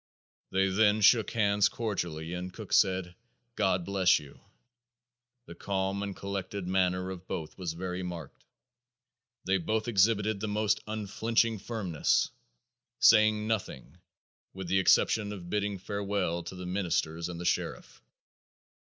They then shook hands cordially and Cook said, 'God bless you.' The calm and collected manner of both was very marked.... They both exhibited the most unflinching firmness, saying nothing, with the exception of bidding farewell to the ministers and the sheriff."